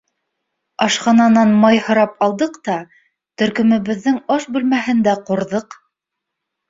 Ашхананан май һорап алдыҡ та, төркөмөбөҙҙөң аш бүлмәһендә ҡурҙыҡ.